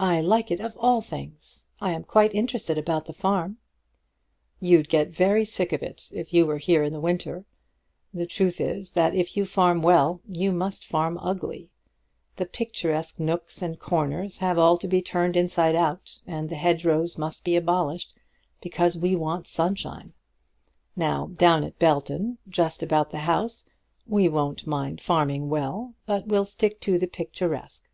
"I like it of all things. I am quite interested about the farm." "You'd get very sick of it if you were here in the winter. The truth is that if you farm well, you must farm ugly. The picturesque nooks and corners have all to be turned inside out, and the hedgerows must be abolished, because we want the sunshine. Now, down at Belton, just about the house, we won't mind farming well, but will stick to the picturesque."